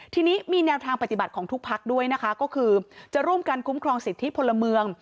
ทีนี้มีแนวทางปฏิบัติของทุกพักด้วยนะคะก็คือจะร่วมกันคุ้มครองสิทธิพลเมือง